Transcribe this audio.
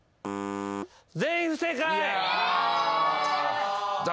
全員不正解！